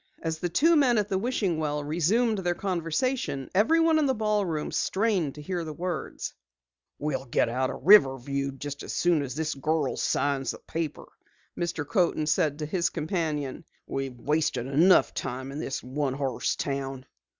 As the two men at the wishing well resumed their conversation, everyone in the ballroom strained to hear the words. "We'll get out of Riverview just as soon as the girl signs the paper," Mr. Coaten said to his companion. "We've wasted enough time in this one horse town."